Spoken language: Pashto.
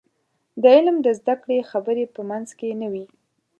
د علم د زده کړې خبرې په منځ کې نه وي.